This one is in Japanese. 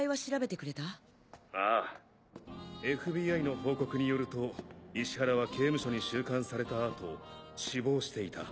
ＦＢＩの報告によると石原は刑務所に収監された後死亡していた。